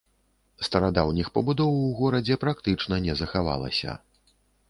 Старадаўніх пабудоў у горадзе практычна не захавалася.